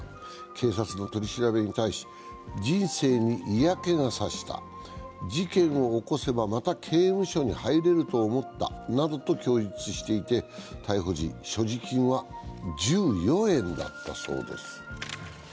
警察の取り調べに対し、人生に嫌気がさした事件を起こせばまた刑務所に入れると思ったなどを供述していて逮捕時、所持金は１４円だったそうです。